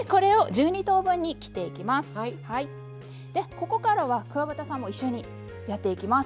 ここからはくわばたさんも一緒にやっていきます。